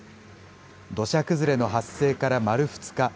土砂崩れの発生から丸２日。